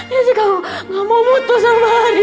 jessica gak mau putus sama haji